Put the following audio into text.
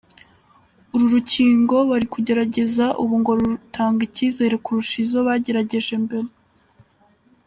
Uru rukingo bari kugerageza ubu ngo rutanga icyizere kurusha izo bagerageje mbere.